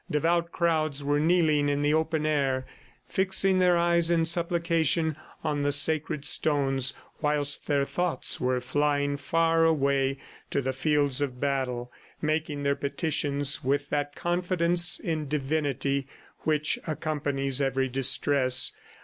Devout crowds were kneeling in the open air, fixing their eyes in supplication on the sacred stones whilst their thoughts were flying far away to the fields of battle, making their petitions with that confidence in divinity which accompanies every distress.